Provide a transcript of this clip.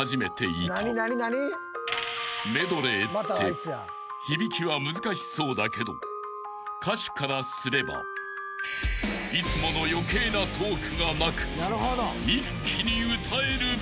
［メドレーって響きは難しそうだけど歌手からすればいつもの余計なトークがなく一気に歌える分］